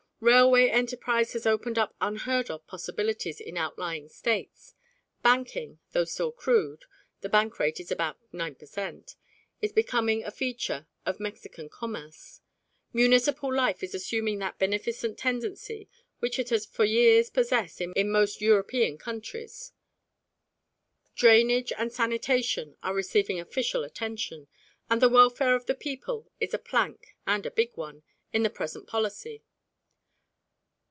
Railway enterprise has opened up unheard of possibilities in outlying States; banking, though still crude (the bank rate is about 9 per cent.), is becoming a feature of Mexican commerce; municipal life is assuming that beneficent tendency which it has for years possessed in most European countries; drainage and sanitation are receiving official attention, and the welfare of the people is a plank, and a big one, in the present policy.